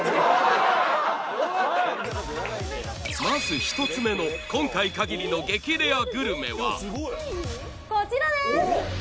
まず１つ目の今回限りの激レアグルメはこちらです！